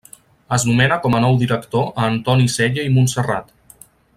Es nomena com a nou director a Antoni Sella i Montserrat.